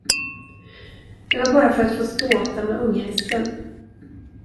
Det var bara för att få ståta med unghästen.